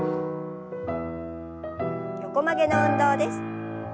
横曲げの運動です。